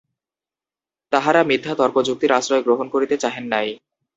তাঁহারা মিথ্যা তর্কযুক্তির আশ্রয় গ্রহণ করিতে চাহেন নাই।